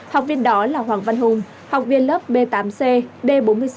học viên đó là hoàng văn hùng học viên lớp b tám c d bốn mươi sáu